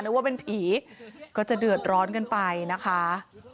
นึกว่าเป็นผีก็จะเดือดร้อนกันไปนะคะ